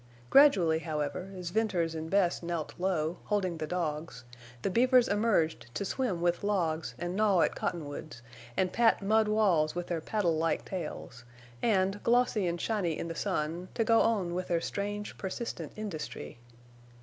Gradually, however, as Venters and Bess knelt low, holding the dogs, the beavers emerged to swim with logs and gnaw at cottonwoods and pat mud walls with their paddle like tails, and, glossy and shiny in the sun, to go on with their strange, persistent industry.